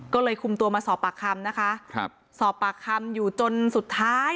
ก็เลยคุมตัวมาสอบปากคำนะคะครับสอบปากคำอยู่จนสุดท้าย